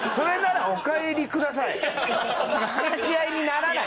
話し合いにならない。